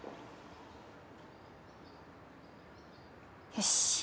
よし。